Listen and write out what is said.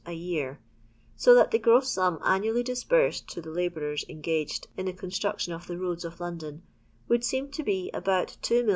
a year; so that the gross sum annually disbursed to the labourers engaged in the construction of the roads of London would leem to be about 2,250,000